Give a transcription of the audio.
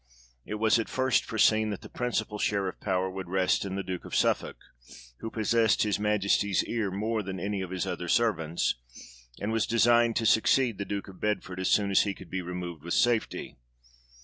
It was at first foreseen that the principal share of power would rest in the Duke of Suffolk, who possessed his Majesty's ear more than any of his other servants, and was designed to succeed the Duke of Bedford as soon as he could be removed with safety.